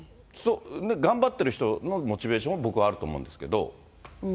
頑張ってる人のモチベーションは僕はあると思うんですけど。